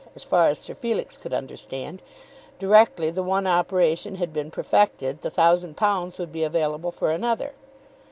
As far as Sir Felix could understand, directly the one operation had been perfected the thousand pounds would be available for another.